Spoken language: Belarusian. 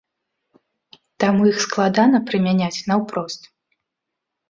Таму іх складана прымяняць наўпрост.